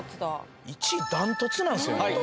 １位断トツなんすよね。